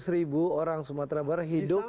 tiga ratus ribu orang sumatera berhidup